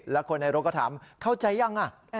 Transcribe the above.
แล้วคนในรถก็ถามเข้าใจยัง